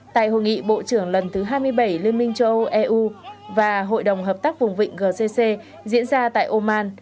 tại hội nghị bộ trưởng lần thứ hai mươi bảy liên minh châu âu eu và hội đồng hợp tác vùng vịnh gcc diễn ra tại oman